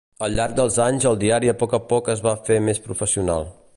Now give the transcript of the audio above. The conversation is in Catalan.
Al llarg dels anys el diari a poc a poc es va fer més professional.